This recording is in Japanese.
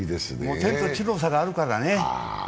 天と地の差があるからね。